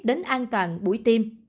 đến an toàn bụi tim